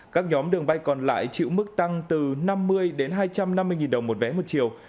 các nhóm đường bay còn lại chịu mức tăng từ năm mươi đến hai trăm năm mươi đồng một vé một chiều